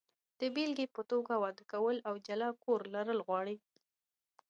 د بېلګې په توګه، واده کول او جلا کور لرل غواړي.